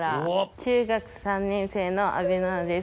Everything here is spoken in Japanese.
中学３年生の阿部ななです